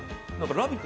ラヴィット！